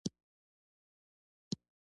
ماشومان باید له وړکتوب څخه پښتو زده کړي.